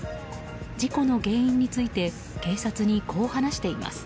事故の原因について警察にこう話しています。